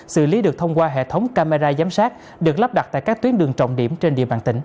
xử lý được thông qua hệ thống camera giám sát được lắp đặt tại các tuyến đường trọng điểm trên địa bàn tỉnh